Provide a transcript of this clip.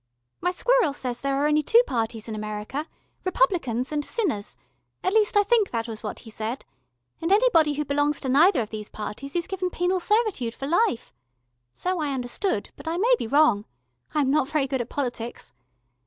My squirrel says there are only two parties in America, Republicans and Sinners at least I think that was what he said and anybody who belongs to neither of these parties is given penal servitude for life. So I understood, but I may be wrong. I am not very good at politics.